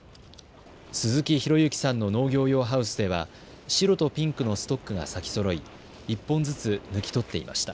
鈴木啓之さんの農業用ハウスでは白とピンクのストックが咲きそろい１本ずつ抜き取っていました。